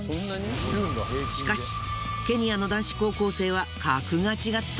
しかしケニアの男子高校生は格が違った。